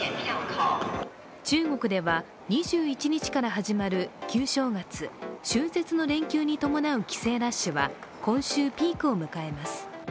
中国では２１日から始まる旧正月・春節の連休に伴う帰省ラッシュは今週ピークを迎えます。